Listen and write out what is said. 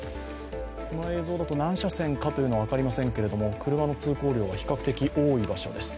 この映像だと、何車線かというのは分かりませんけれども、車の通行量が比較的多い場所です。